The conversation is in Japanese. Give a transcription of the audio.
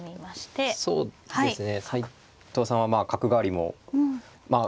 あっそうですね。